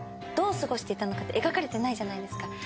どう過ごしていたのかって描かれてないじゃないですか。